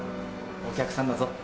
お客さんだぞ。